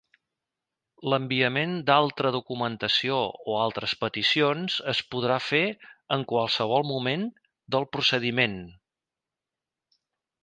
L'enviament d'altra documentació o altres peticions es podrà fer en qualsevol moment del procediment.